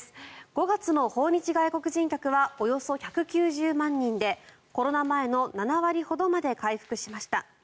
５月の訪日外国人客はおよそ１９０万人でコロナ前の７割ほどまで回復しました。